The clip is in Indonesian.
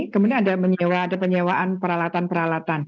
kemudian ada penyewaan peralatan peralatan